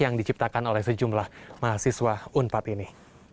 yang diciptakan oleh sejumlah mahasiswa unpad ini